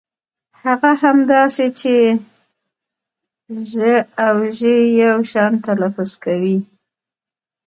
هغه هم داسې چې ږ او ژ يو شان تلفظ کوي.